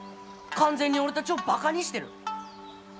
完全に俺たちをバカにしてる。